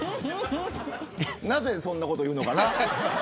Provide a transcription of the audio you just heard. なぜ、そんなこと言うのかな。